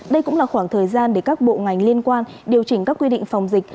đây cũng là khoảng thời gian để các bộ ngành liên quan điều chỉnh các quy định phòng dịch